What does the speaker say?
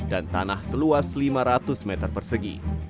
dan tanah seluas lima ratus meter persegi